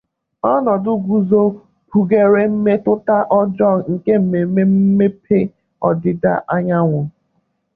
Ọnọdụ Guizhou kpughere mmetụta ọjọọ nke Mmemme Mmepe Ọdịda Anyanwụ.